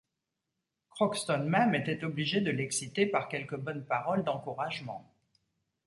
Crockston même était obligé de l’exciter par quelques bonnes paroles d’encouragement.